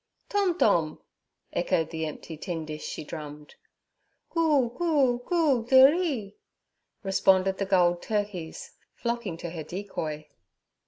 'Tom—tom!' echoed the empty tin dish she drummed. 'Gool gool, gool, dee ri' responded the gulled turkeys, flocking to her decoy.